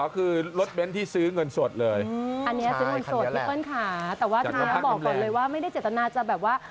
ก็บอกก่อนเลยว่าไม่ได้เจตนาจะแบบว่า